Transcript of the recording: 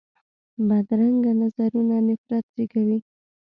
بدرنګه نظرونه نفرت زېږوي